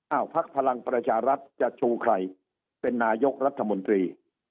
พักพลังประชารัฐจะชูใครเป็นนายกรัฐมนตรี